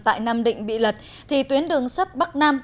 tại nam định bị lật thì tuyến đường sắt bắc nam